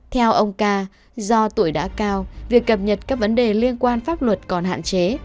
theo ông ca do tuổi đã cao việc cập nhật các vấn đề liên quan pháp luật còn hạn chế